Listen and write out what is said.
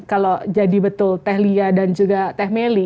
kalau jadi betul teh lia dan juga teh meli